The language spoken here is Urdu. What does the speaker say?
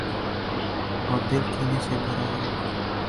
اوردل کینے سے بھراہے۔